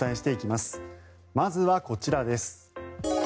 まずはこちらです。